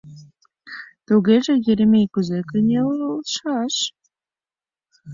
Тугеже Еремей кузе кынелшаш?